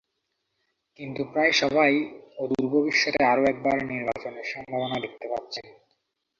কিন্তু প্রায় সবাই অদূর ভবিষ্যতে আরও একবার নির্বাচনের সম্ভাবনা দেখতে পাচ্ছেন।